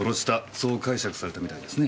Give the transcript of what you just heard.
そう解釈されたみたいですね？